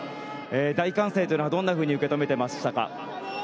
大歓声というのはどんなふうに受け止めていましたか？